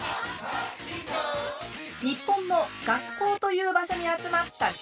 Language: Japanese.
日本の学校という場所に集まった地球人たち。